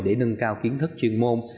để nâng cao kiến thức chuyên môn